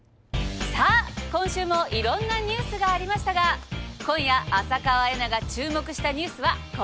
さあ今週もいろんなニュースがありましたが今夜浅川恵那が注目したニュースはこちら。